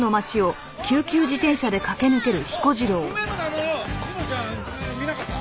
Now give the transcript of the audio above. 梅むらのよ志乃ちゃん見なかった？